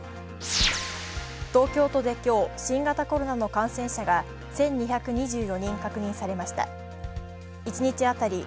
東京都で今日、新型コロナの感染者が１２２４人確認されました。